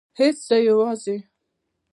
هیڅ زه یوازې